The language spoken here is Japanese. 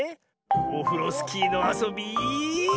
オフロスキーのあそび。